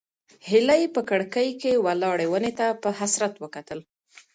هیلې په کړکۍ کې ولاړې ونې ته په حسرت وکتل.